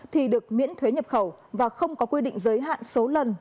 thì được miễn thuế nhập khẩu và không có quy định giới hạn số lần